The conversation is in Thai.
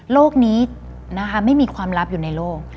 โลกนี้นะคะไม่มีความลับอยู่ในโลก